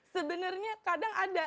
sebenernya kadang ada